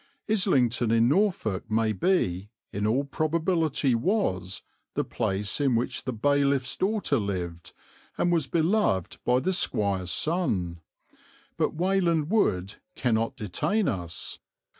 Islington in Norfolk may be, in all probability was, the place in which the Bailiff's daughter lived and was beloved by the squire's son, but Weyland Wood cannot detain us.